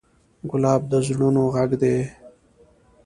ګلاب د زړونو غږ دی.